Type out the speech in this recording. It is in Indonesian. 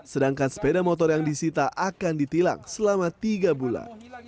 sedangkan sepeda motor yang disita akan ditilang selama tiga bulan